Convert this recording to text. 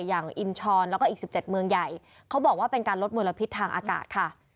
อย่างอินชรแล้วก็อีก๑๗เมืองใหญ่เขาบอกว่าเป็นการลดมลพิษทางอากาศค่ะ